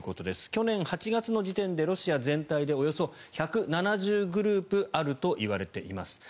去年８月の時点でロシア全体でおよそ１７０グループあるといわれています。